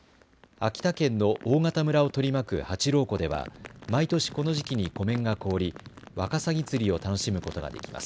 秋田県の大潟村を取り巻く八郎湖では毎年この時期に湖面が凍りワカサギ釣りを楽しむことができます。